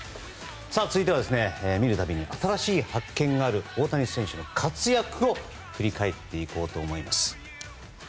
続いては見るたびに新しい発見がある大谷選手の活躍を振り返っていこうと思います。